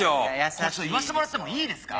これちょっと言わせてもらってもいいですか？